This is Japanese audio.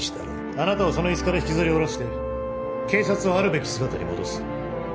あなたをその椅子から引きずり下ろして警察をあるべき姿に戻す。